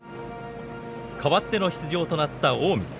代わっての出場となった近江。